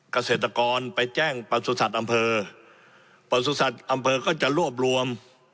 เกษตรกรไปแจ้งประสุทธิ์อำเภอประสุทธิ์อำเภอก็จะรวบรวม